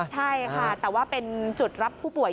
ใช่ค่ะแต่ว่าเป็นจุดรับผู้ป่วย